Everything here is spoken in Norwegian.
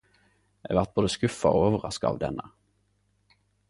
Eg vart både skuffa og overraska av denne.